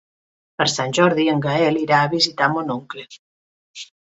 Per Sant Jordi en Gaël irà a visitar mon oncle.